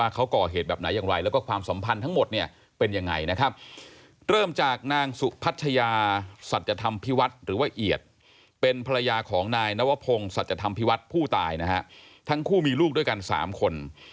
จะทำพิวัตรผู้ตายนะฮะทั้งคู่มีลูกด้วยกัน๓คน